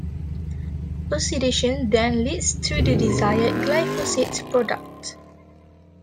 Oxidation then leads to the desired glyphosate product.